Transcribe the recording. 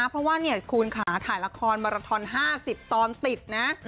เพราะว่าเนี่ยคุณค่ะถ่ายละครมาราทอน๕๐ตอนติดนะ